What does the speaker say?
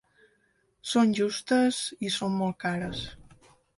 Són justes… i són molt cares.